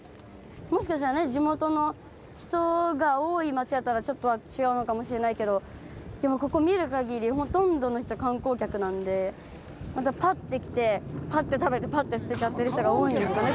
もしかしたらね地元の人が多い街だったらちょっとは違うのかもしれないけどでもここ見る限りほとんどの人観光客なんでパッて来てパッて食べてパッて捨てちゃってる人が多いんですかね